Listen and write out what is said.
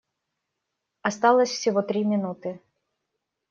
Осталось всего три минуты.